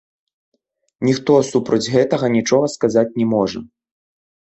Ніхто супроць гэтага нічога сказаць не можа.